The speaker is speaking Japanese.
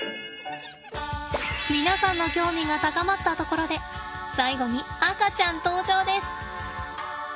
皆さんの興味が高まったところで最後に赤ちゃん登場です。